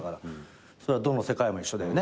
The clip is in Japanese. それはどの世界も一緒だよね。